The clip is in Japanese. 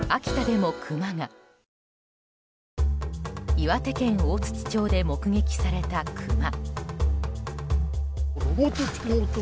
岩手県大槌町で目撃されたクマ。